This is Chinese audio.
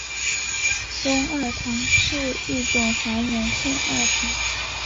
松二糖是一种还原性二糖。